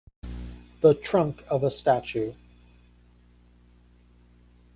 The trunk of a statue.